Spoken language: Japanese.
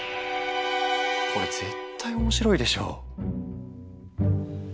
これ絶対面白いでしょ。